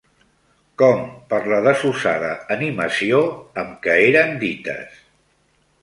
...com per la desusada animació amb què eren dites